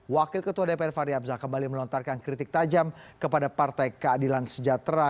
wakil ketua dpr fahri hamzah kembali melontarkan kritik tajam kepada partai keadilan sejahtera